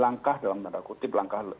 langkah dalam tanda kutip langkah